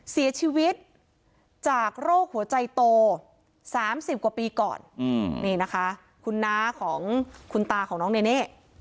เสียชีวิตจากโรคหัวใจโต๓๐กว่าปีก่อนนี่นะคะคุณน้าของคุณตาของน้องเนเน่